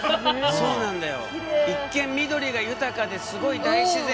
そうなんだよ。